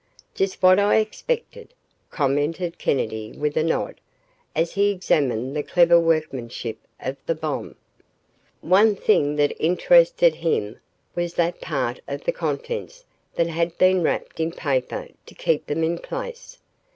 "Just what I expected," commented Kennedy with a nod, as he examined the clever workmanship of the bomb. One thing that interested him was that part of the contents had been wrapped in paper to keep them in place.